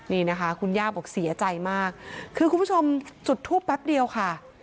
นี่นะคะคุณย่าบอกเสียใจมากคือคุณผู้ชมจุดทูปแป๊บเดียวค่ะ